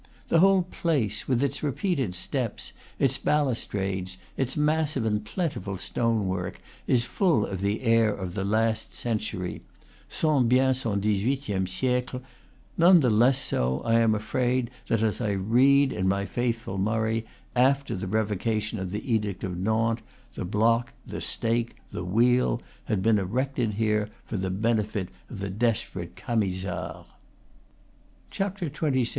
The whole place, with its repeated steps, its balus trades, its massive and plentiful stone work, is full of the air of the last century, sent bien son dix huitieme siecle; none the less so, I am afraid, that, as I read in my faithful Murray, after the revocation of the Edict of Nantes, the block, the stake, the wheel, had been erected here for the benefit of the desperate Camisards. XXVI.